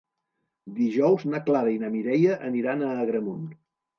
Dijous na Clara i na Mireia aniran a Agramunt.